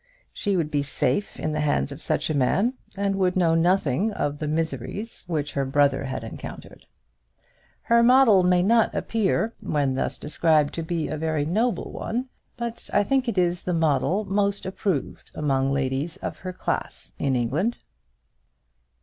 She would be safe in the hands of such a man, and would know nothing of the miseries which her brother had encountered. Her model may not appear, when thus described, to be a very noble one; but I think it is the model most approved among ladies of her class in England.